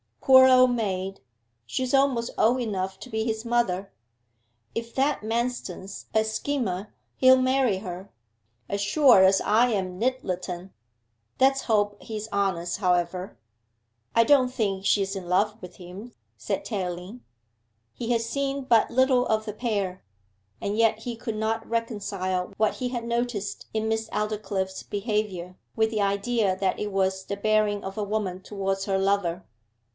Poor old maid, she's almost old enough to be his mother. If that Manston's a schemer he'll marry her, as sure as I am Nyttleton. Let's hope he's honest, however.' 'I don't think she's in love with him,' said Tayling. He had seen but little of the pair, and yet he could not reconcile what he had noticed in Miss Aldclyffe's behaviour with the idea that it was the bearing of a woman towards her lover.